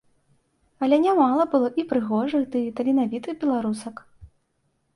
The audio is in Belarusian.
Але нямала было і прыгожых ды таленавітых беларусак.